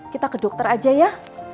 kita ke dokter aja ya